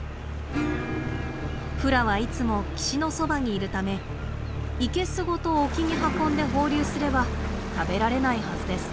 フラはいつも岸のそばにいるため生けすごと沖に運んで放流すれば食べられないはずです。